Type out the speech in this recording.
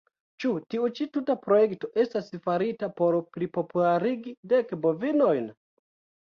Ĉu tiu ĉi tuta projekto estas farita por plipopularigi Dek Bovinojn?